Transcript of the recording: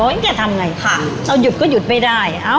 แกทำไงค่ะเราหยุดก็หยุดไม่ได้